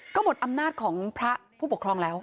ก็หมดอำนาจของพระผู้ปกครองแล้ว